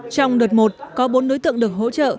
trong đợt một có bốn đối tượng được hỗ trợ